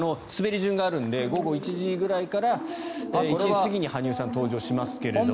滑り順があるので午後１時ぐらいから１時過ぎに羽生さんが登場しますが。